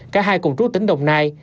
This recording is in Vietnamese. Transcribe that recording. cả hai cùng trú tỉnh đồng nai